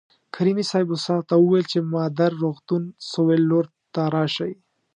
کریمي صیب استاد ته وویل چې مادر روغتون سویل لور ته راشئ.